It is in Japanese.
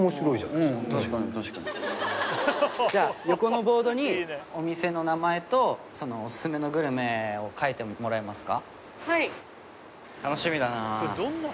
確かに確かにじゃあ横のボードにお店の名前とそのオススメのグルメを書いてもらえますか？